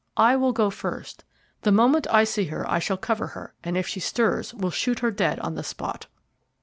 I will go first. The moment I see her I shall cover her, and if she stirs will shoot her dead on the spot."